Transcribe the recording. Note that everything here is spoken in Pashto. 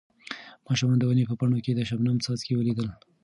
ماشوم د ونې په پاڼو کې د شبنم څاڅکي ولیدل.